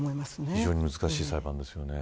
非常に難しい裁判ですよね。